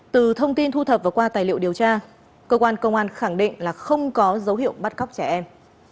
từ thông tin thu thập và qua tài liệu điều tra cơ quan công an khẳng định là không có dấu hiệu bắt cóc trẻ em